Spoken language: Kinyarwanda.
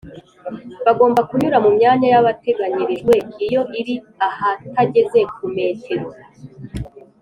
Bagomba kunyura mu myanya yabateganyirijwe iyo iri ahatageze ku metero